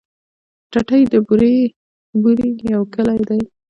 ټټۍ د بوري يو کلی دی.